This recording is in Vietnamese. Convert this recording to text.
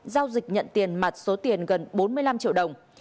giao dịch nhận tiền mặt số tiền gần bốn mươi năm triệu đồng